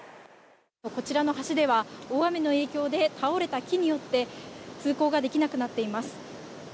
こちらの橋では、大雨の影響で倒れた木によって、通行ができなくなっています。